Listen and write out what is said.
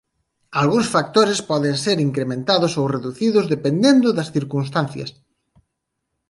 Algúns factores poden ser incrementados ou reducidos dependendo das circunstancias.